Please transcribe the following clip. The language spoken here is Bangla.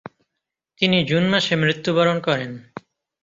তিনি জুন মাসে মৃত্যুবরণ করেন।